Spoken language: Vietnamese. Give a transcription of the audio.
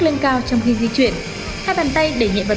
con cảm thấy vui vì con phải qua nỗi sợ của mình